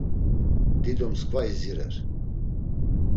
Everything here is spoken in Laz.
Dido mskva idzirer.